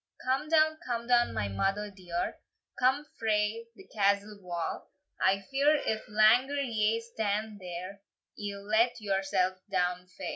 "Come down, come down, my mother dear, Come frae the castle wa! I fear, if langer ye stand there, Ye'll let yoursell down fa."